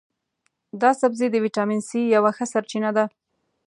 دا سبزی د ویټامین سي یوه ښه سرچینه ده.